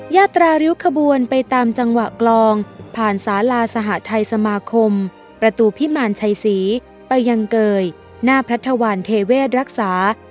ยาตราริ้วขบวนไปตามจังหวะกลองผ่านสาลาสหทัยสมาคมประตูพิมารชัยศรีไปยังเกยหน้าพระธวรรณเทเวศรักษา